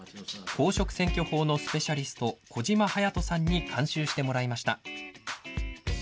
公職選挙法のスペシャリスト、小島勇人さんに監修してもらいました。